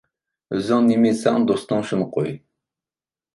ئۆزۈڭ نېمە يېسەڭ، دوستۇڭغا شۇنى قوي.